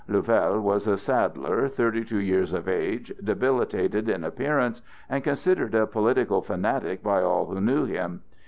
Louvel was a saddler, thirty two years of age, debilitated in appearance, and considered a political fanatic by all who knew him.